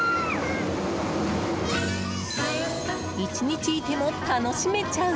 １日いても楽しめちゃう！